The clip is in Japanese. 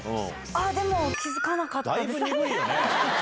ああ、でも気付かなかったです。